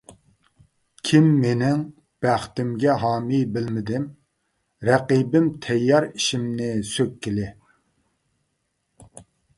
كىم مېنىڭ بەختىمگە ھامىي بىلمىدىم، رەقىبىم تەييار ئىشىمنى سۆككىلى.